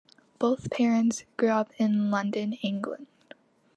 Both parents grew up in London, England.